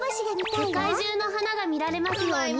せかいじゅうのはながみられますように。